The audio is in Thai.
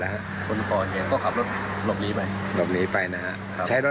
ฮะคนก่อเหตุก็ขับรถหลบหนีไปหลบหนีไปนะฮะครับใช้รถ